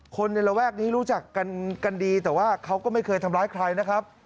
ในระแวกนี้รู้จักกันดีแต่ว่าเขาก็ไม่เคยทำร้ายใครนะครับ